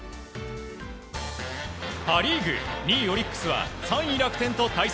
パ・リーグ、２位オリックスは３位、楽天と対戦。